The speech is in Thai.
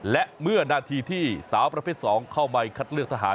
และเมื่อนาทีที่สาวประเภท๒เข้าไปคัดเลือกทหาร